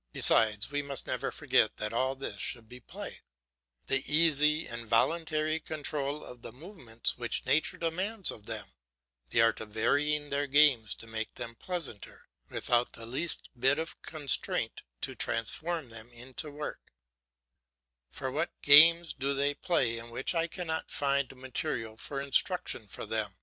Besides, we must never forget that all this should be play, the easy and voluntary control of the movements which nature demands of them, the art of varying their games to make them pleasanter, without the least bit of constraint to transform them into work; for what games do they play in which I cannot find material for instruction for them?